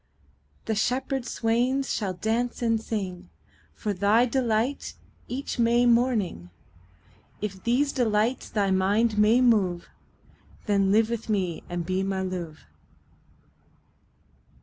20 The shepherd swains shall dance and sing For thy delight each May morning: If these delights thy mind may move, Then live with me and be my Love.